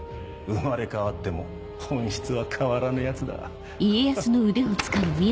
生まれ変わっても本質は変わらぬヤツだハッ。